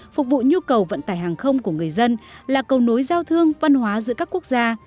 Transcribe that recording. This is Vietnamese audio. phục vụ nhu cầu vận tải hàng không của người dân là cầu nối giao thương văn hóa giữa các quốc gia